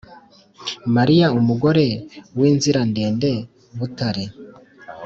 mariya umugore w’inzirandende, butare